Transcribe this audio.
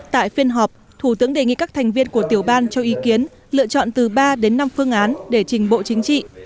tại phiên họp thủ tướng đề nghị các thành viên của tiểu ban cho ý kiến lựa chọn từ ba đến năm phương án để trình bộ chính trị